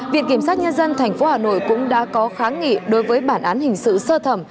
viện kiểm sát nhân dân tp hà nội cũng đã có kháng nghị đối với bản án hình sự sơ thẩm